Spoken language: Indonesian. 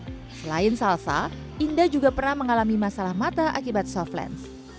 selain salsa indah juga pernah mengalami masalah mata akibat soft lens